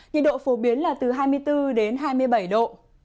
nhiệt độ phổ biến là từ hai mươi bốn đến hai mươi bảy độ